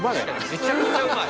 めちゃくちゃうまい。